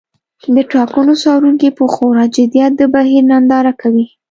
د ټاکنو څارونکي په خورا جدیت د بهیر ننداره کوي.